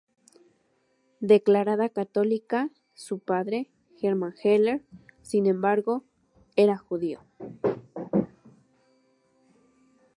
Declarada católica, su padre, Hermann Heller, sin embargo, era judío.